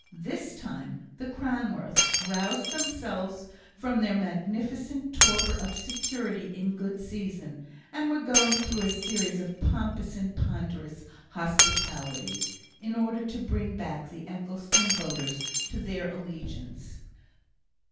This time, the Cranworths roused themselves from their magnificent torpor of security in good season, and were going through a series of pompous and ponderous hospitalities, in order to bring back the Eccleston voters to their allegiance.